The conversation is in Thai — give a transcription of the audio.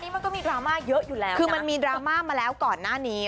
มันก็มีดราม่าเยอะอยู่แล้วคือมันมีดราม่ามาแล้วก่อนหน้านี้